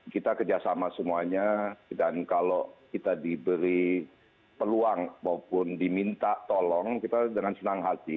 kita kerjasama semuanya dan kalau kita diberi peluang maupun diminta tolong kita dengan senang hati